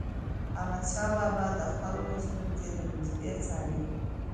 احمدشاه بابا به د خلکو ستونزې د نژدي څارلي.